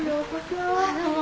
どうも。